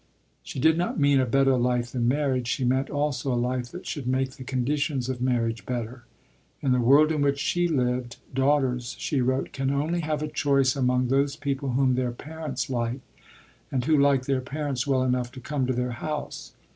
She did not mean a better life than marriage; she meant also a life that should make the conditions of marriage better. In the world in which she lived, daughters, she wrote, "can only have a choice among those people whom their parents like, and who like their parents well enough to come to their house."